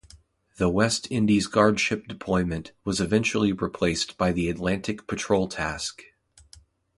The West Indies Guardship deployment was eventually replaced by the Atlantic Patrol Task.